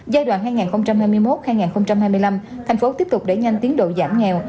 giai đoạn hai nghìn hai mươi một hai nghìn hai mươi năm thành phố tiếp tục đẩy nhanh tiến độ giảm nghèo